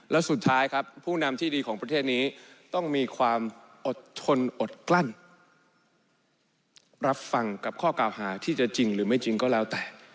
และสุดท้ายครับผู้นำที่ดีของประเทศนี้ต้องมีความอดทนอดกลั้นรับฟังกับข้อกล่าวหาที่จะจริงหรือไม่จริงก็แล้วแต่